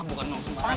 bukan orang sembarangan